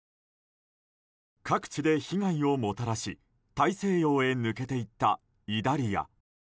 各地で被害をもたらし大西洋へ抜けていったイダリア。